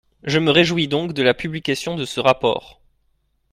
Je me réjouis donc de la publication de ce rapport.